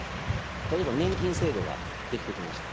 例えば年金制度ができてきました。